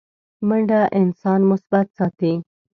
منډه انسان مثبت ساتي